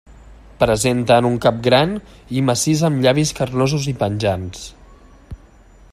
Presenten un cap gran i massís amb llavis carnosos i penjants.